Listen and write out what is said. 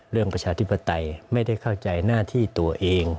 ประชาธิปไตยไม่ได้เข้าใจหน้าที่ตัวเอง